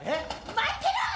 待ってろ！